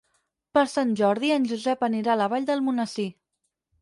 Per Sant Jordi en Josep anirà a la Vall d'Almonesir.